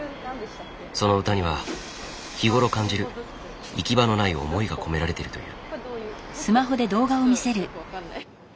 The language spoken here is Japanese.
その歌には日頃感じる行き場のない思いが込められているという。